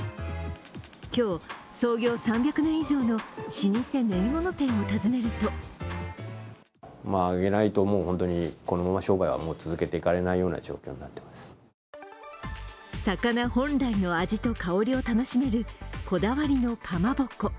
今日、創業３００年以上の老舗練り物店を訪ねると魚本来の味と香りを楽しめるこだわりのかまぼこ。